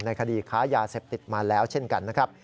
คดีค้ายาเสพติดมาแล้วเช่นกันนะครับ